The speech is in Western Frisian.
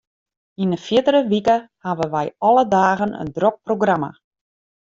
Yn 'e fierdere wike hawwe wy alle dagen in drok programma.